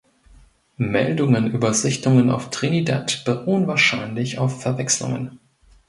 Meldungen über Sichtungen auf Trinidad beruhen wahrscheinlich auf Verwechslungen.